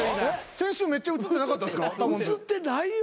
先週めっちゃ映ってなかったですか？